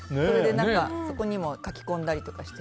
そこにも書き込んだりして。